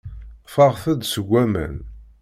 Ffɣet-d seg waman.